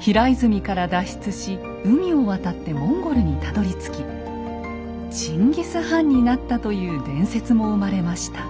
平泉から脱出し海を渡ってモンゴルにたどりつきチンギス・ハンになったという伝説も生まれました。